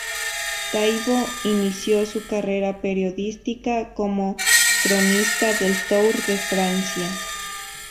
Taibo inició su carrera periodística como cronista del Tour de Francia.